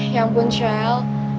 ya ampun syael